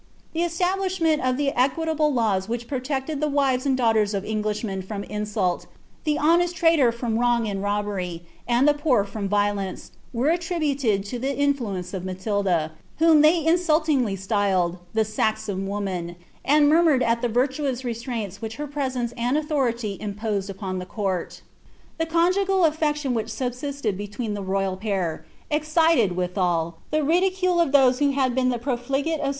The estabhshroent of ttie ei]iii(i ble laws whicl protected the wives and daughtere of Englishmen froa insult, the honest trader from wrong and robbery, and the poor (tea violence, were attributed to the inQuence of Matilda, whom they insult' ingly styled "the Saxon woman,"' and murmured at the rimoM fwlf«i(its which her preaence and authority imposed upon the eoort' The conjugal afleciJon which subsisted between the royal pair, exeiiedi witfial, tlie ridicule of those who bod been the profligate associates of Hafwnitl'i Tluee Norman Eingi.